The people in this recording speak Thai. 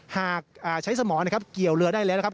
หากใช้สมรนะครับเกี่ยวเรือได้แล้วนะครับ